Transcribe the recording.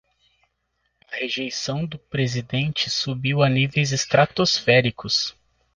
A rejeição do presidente subiu a níveis estratosféricos